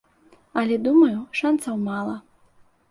Але, думаю, шанцаў мала.